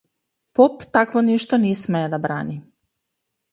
Поп такво нешто не смее да брани!